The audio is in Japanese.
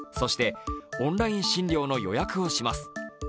そしてオンライン診療の予約をします。